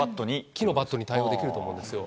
木のバットに対応できると思うんですよ。